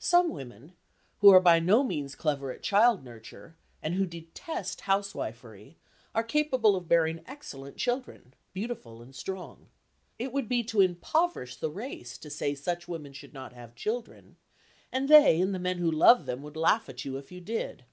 Some women who are by no means clever at child nurture, and who detest housewifery, are capable of bearing excellent children, beautiful and strong. It would be to impoverish the race to say such women should not have children (and they and the men who love them would laugh at you if you did).